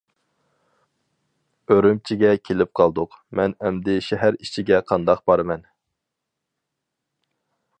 ئۈرۈمچىگە كېلىپ قالدۇق، مەن ئەمدى شەھەر ئىچىگە قانداق بارىمەن.